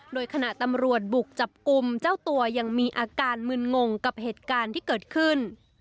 โดยขณะตำรวจบุกจับกลุ่มเจ้าตัวยังมีอาการมึนงงกับเหตุการณ์ที่เกิดขึ้น